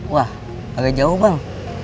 wah agak jauh bang